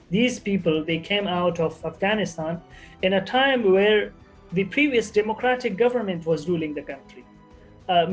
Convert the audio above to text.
mereka keluar dari afganistan saat pemerintah demokratis sebelumnya mengatakan tentang negara